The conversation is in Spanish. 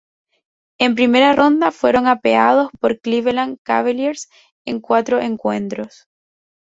En primera ronda fueron apeados por Cleveland Cavaliers en cuatro encuentros.